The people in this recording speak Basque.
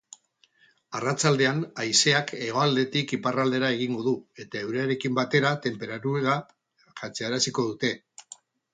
Arratsaldean haizeak hegoaldetik iparraldera egingo du eta euriarekin batera tenperatura jaitsaraziko dute.